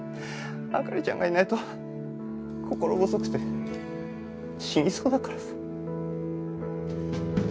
灯ちゃんがいないと心細くて死にそうだからさ。